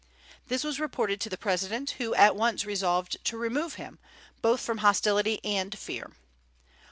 This was reported to the President, who at once resolved to remove him, both from hostility and fear.